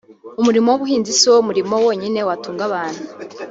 umurimo w' ubuhinzi siwo murimo wonyine watunga abantu